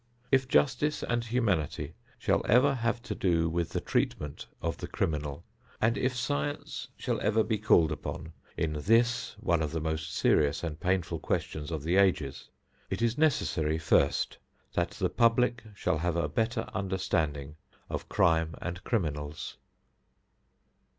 If justice and humanity shall ever have to do with the treatment of the criminal, and if science shall ever be called upon in this, one of the most serious and painful questions of the ages, it is necessary, first, that the public shall have a better understanding of crime and criminals.